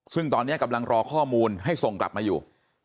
ซึ่งตอนนี้กำลังรอข้อมูลให้ส่งกลับมาอยู่